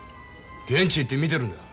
現地行って見てるんだ。